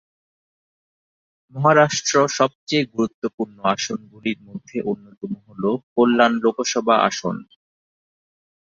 মহারাষ্ট্র সবচেয়ে গুরুত্বপূর্ণ আসনগুলির মধ্যে অন্যতম হল কল্যাণ লোকসভা আসন।